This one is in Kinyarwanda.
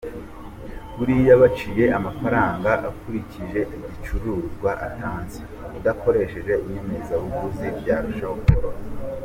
Buriya baciye amafaranga akurikije igicuruzwa atanze udakoresheje inyemezabuguzi byarushaho koroha.